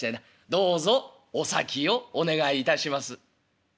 どうぞお先をお願いいたします」。